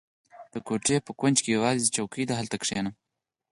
• د کوټې په ګوټ کې یوازینی څوکۍ وه، هلته کښېنه.